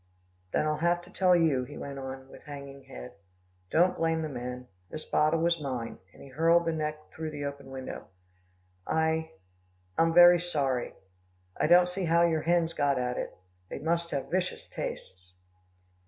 "Then I'll have to tell you," he went on with hanging head. "Don't blame the men. This bottle was mine," and he hurled the neck through the open window. "I I'm very sorry. I don't see how your hens got at it. They must have vicious tastes."